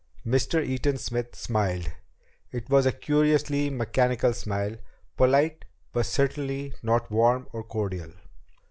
Mr. Eaton Smith smiled. It was a curiously mechanical smile polite but certainly not warm or cordial.